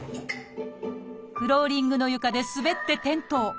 フローリングの床で滑って転倒。